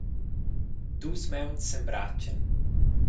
Dus mauns s’embratschan.